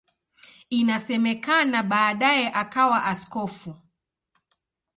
Inasemekana baadaye akawa askofu.